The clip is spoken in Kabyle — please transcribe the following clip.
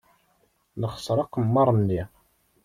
Nexṣer aqemmer-nni.